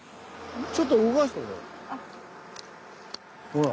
ちょっと動かしてみたら？